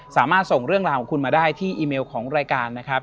ส่งเรื่องราวของคุณมาได้ที่อีเมลของรายการนะครับ